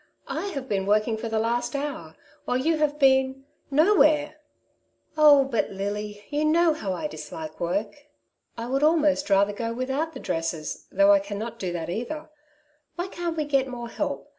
I have been work ing for the last hour, while you have been — no where." " Oh ! but Lily, you know how I dislike woiik* I 54 " Two Sides to every Question^ I would almost rather go without the dresses^ though I cannot do that either. Why can^t we get more help